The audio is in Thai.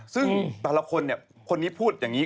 ซึ่งแต่ละคนคนนี้พูดอย่างนี้